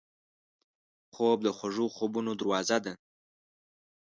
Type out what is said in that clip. خوب د خوږو خوبونو دروازه ده